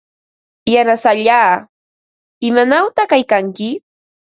Yanasallaa, ¿imanawta kaykanki?